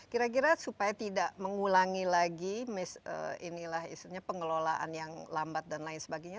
kira kira supaya tidak mengulangi lagi pengelolaan yang lambat dan lain sebagainya